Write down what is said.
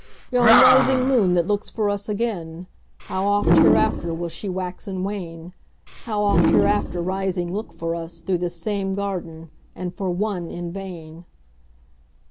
Yon rising Moon that looks for us again How oft hereafter will she wax and wane; How oft hereafter rising look for us Through this same Garden and for ONE in vain!